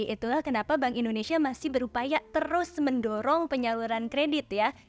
itulah kenapa bank indonesia masih berupaya terus mendorong penyaluran kredit ya